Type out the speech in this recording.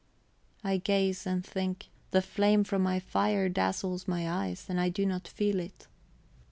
I gazed and think; the flame from my fire dazzles my eyes, and I do not feel it.